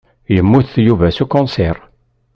Yemmut Yuba s ukunṣiṛ.